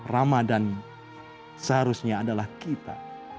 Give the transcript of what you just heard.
ramadhan seharusnya adalah kita